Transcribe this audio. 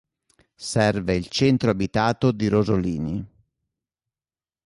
Serve il centro abitato di Rosolini.